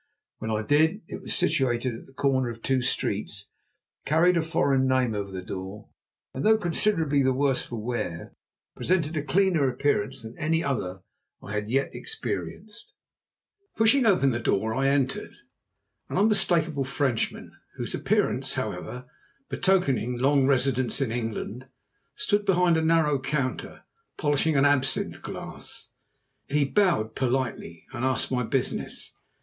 When I did it was situated at the corner of two streets, carried a foreign name over the door, and, though considerably the worse for wear, presented a cleaner appearance than any other I had as yet experienced. Pushing the door open I entered. An unmistakable Frenchman, whose appearance, however, betokened long residence in England, stood behind a narrow counter polishing an absinthe glass. He bowed politely and asked my business.